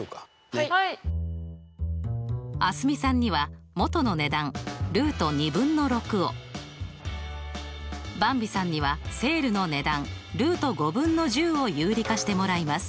蒼澄さんにはもとの値段ルート２分の６を。ばんびさんにはセールの値段ルート５分の１０を有理化してもらいます。